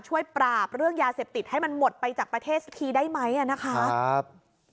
ช่วยปราบเรื่องยาเสพติดให้มันหมดไปจากประเทศสักทีได้ไหมอ่ะนะคะครับ